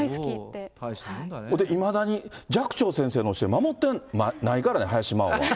ほんでいまだに、寂聴先生の教え、守ってないからね、林マオは。